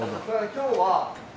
今日は。